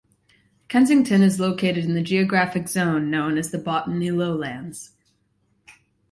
Kensington is located in the geographic zone known as the Botany Lowlands.